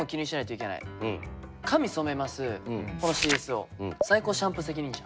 このＣＳＯシャンプー責任者！？